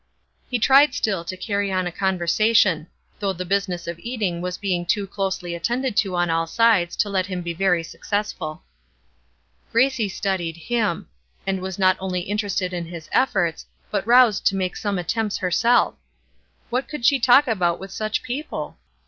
He tried still to carry on a conversation; though the business of eating was being too closely attended to on all sides to let him be very successful. Gracie studied him, and was not only interested in his efforts, but roused to make some attempts herself. What could she talk about with such people?